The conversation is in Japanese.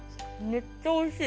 めっちゃおいしい。